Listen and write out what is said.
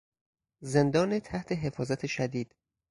زندان تحت حفاظت شدید